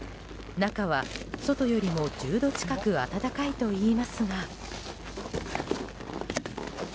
中は外よりも１０度近く暖かいといいますが。